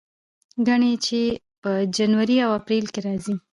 ګڼې یې په جنوري او اپریل کې راځي.